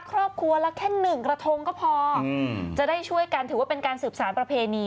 ครอบครัวละแค่หนึ่งกระทงก็พอจะได้ช่วยกันถือว่าเป็นการสืบสารประเพณี